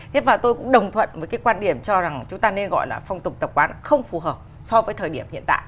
thế và tôi cũng đồng thuận với cái quan điểm cho rằng chúng ta nên gọi là phong tục tập quán không phù hợp so với thời điểm hiện tại